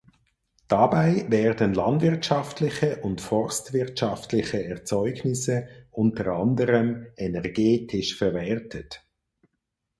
Dabei werden landwirtschaftliche und forstwirtschaftliche Erzeugnisse unter anderem energetisch verwertet.